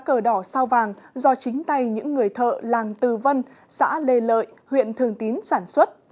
cờ đỏ sao vàng do chính tay những người thợ làng tư vân xã lê lợi huyện thường tín sản xuất